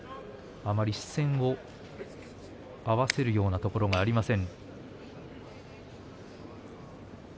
あまり視線を合わせるようなところがありません。